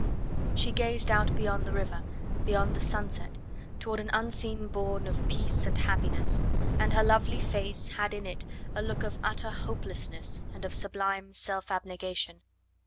She gazed out beyond the river, beyond the sunset, toward an unseen bourne of peace and happiness, and her lovely face had in it a look of utter hopelessness and of sublime self abnegation.